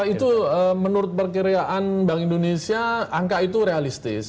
itu menurut perkiraan bank indonesia angka itu realistis